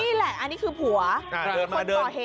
นี่แหละอันนี้คือผัวคนก่อเหตุ